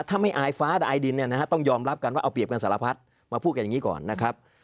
ถ้าไม่อายฟ้าดาอายดินเนี่ยนะฮะต้องยอมรับกันว่าเอาเปรียบกันสารพัดมาพูดกันอย่างนี้ก่อนนะครับ